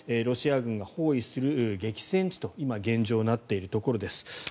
ロシア軍が包囲する激戦地に今、現状なっているところです。